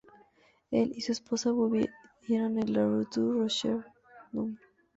Él y su esposa vivieron en la rue du Rocher, Num.